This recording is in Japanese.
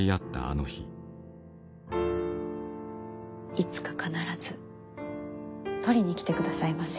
いつか必ず取りに来てくださいませ。